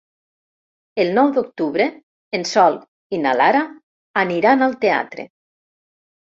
El nou d'octubre en Sol i na Lara aniran al teatre.